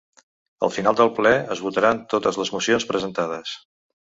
Al final del ple, es votaran totes les mocions presentades.